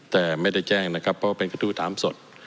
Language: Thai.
แต่ไม่ได้แจ้งนะครับเพราะว่าเป็นกระทู้ถามสด